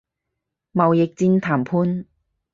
貿易戰談判